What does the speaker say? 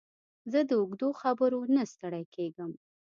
زه د اوږدو خبرو نه ستړی کېږم.